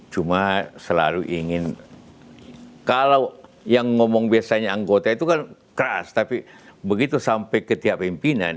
cuma selalu ingin kalau yang ngomong biasanya anggota itu kan keras tapi begitu sampai ke tiap pimpinan